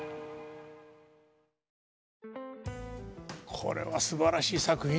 これはすばらしい作品ですね。